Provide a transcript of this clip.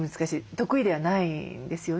得意ではないんですよね。